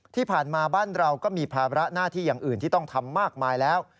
ที่ผ่านมาบ้านเราก็มีภาระหน้าที่อย่างอื่นที่ต้องทำมากมายแล้ว